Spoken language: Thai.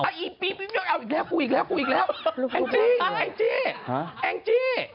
เขาก็อีแพรีกลิ๊บยี่เอาอีกแล้วแอ็งจี้